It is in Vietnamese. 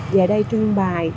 về đây trưng bài